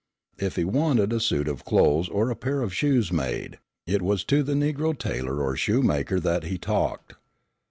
If he wanted a suit of clothes or a pair of shoes made, it was to the Negro tailor or shoemaker that he talked.